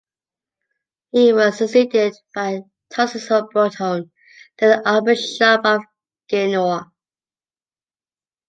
He was succeeded by Tarcisio Bertone, then Archbishop of Genoa.